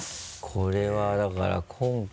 これはだから今回。